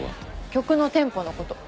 曲のテンポのこと。